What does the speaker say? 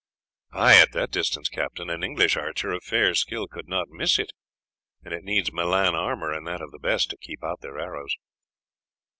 "Ay, at that distance, Captain, an English archer of fair skill could not miss it, and it needs Milan armour, and that of the best, to keep out their arrows."